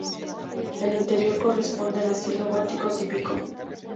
El interior corresponde al estilo gótico típico.